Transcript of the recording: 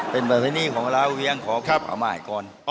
เป็นประเภทนี้ของลาเวียงของผู้ผ่าหมายก่อน